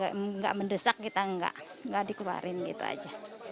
agak mendesak kita enggak dikeluarin gitu aja